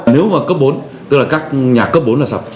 nếu mà cấp bốn tức là các nhà cấp bốn là sập